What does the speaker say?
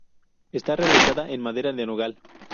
Está realizada en madera de nogal.